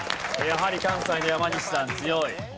やはり関西の山西さん強い。